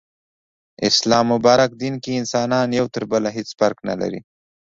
اسلام مبارک دين کي انسانان يو تر بله هيڅ فرق نلري